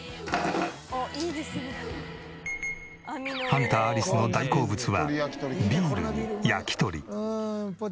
ハンターアリスの大好物はビールに焼き鳥。